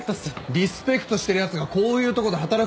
リスペクトしてるやつがこういうとこで働くか？